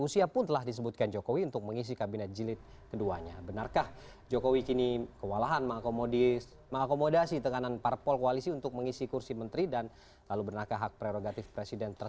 selamat malam ferdie